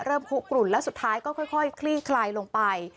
คุกกลุ่นแล้วสุดท้ายก็ค่อยคลี่คลายลงไป